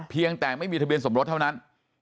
เพียงแต่ไม่มีทะเบียนสมรสเท่านั้น